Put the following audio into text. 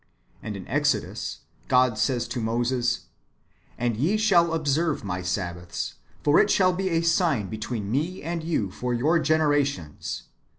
^ And in Exodus, God says to Moses :" And ye shall observe my Sabbaths ; for it shall be a sign between me and you for your generations."